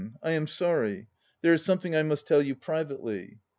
I am sorry. There is something I must tell you privately.